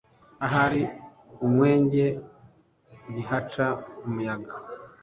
ahari umwenge ntihaca umuyaga!?"